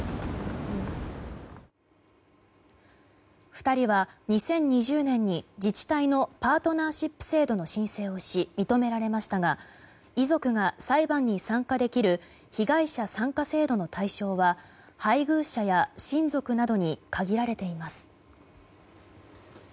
２人は２０２０年に自治体のパートナーシップ制度の申請をし、認められましたが遺族が裁判に参加できる被害者参加制度の対象は配偶者や親族などに限られています。